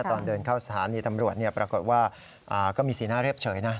ตอนเดินเข้าสถานีตำรวจปรากฏว่าก็มีสีหน้าเรียบเฉยนะ